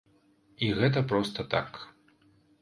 І гэта проста так.